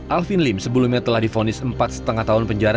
alvin lim sebelumnya telah difonis empat lima tahun penjara